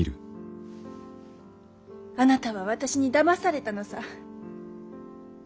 あなたは私にだまされたのさ。